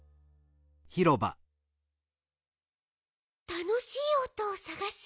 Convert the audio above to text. たのしいおとをさがす？